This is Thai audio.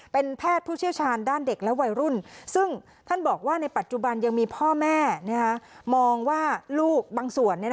เป็นแพทย์ผู้เชี่ยวชาญด้านเด็กและวัยรุ่น